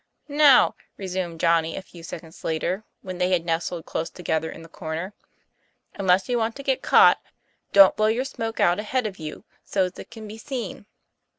" Now," resumed Johnny a few seconds later, when they had nestled close together in the corner, " unless you want to get caught, don't blow your smoke out ahead of you, so's it can be seen.